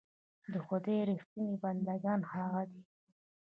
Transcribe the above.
د خدای رښتيني بندګان هغه دي.